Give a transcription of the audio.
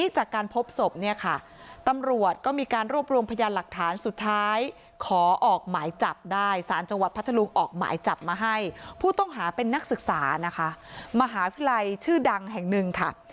จับมาให้ผู้ต้องหาเป็นนักศึกษานะคะมหาวิทยาลัยชื่อดังแห่งหนึ่งค่ะ